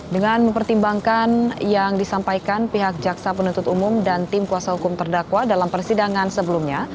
dengan mempertimbangkan yang disampaikan pihak jaksa penuntut umum dan tim kuasa hukum terdakwa dalam persidangan sebelumnya